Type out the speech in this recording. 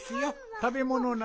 たべものなら。